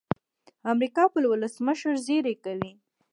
امریکا پر ولسمشر زېری کوي.